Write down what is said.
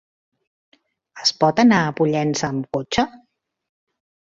Es pot anar a Pollença amb cotxe?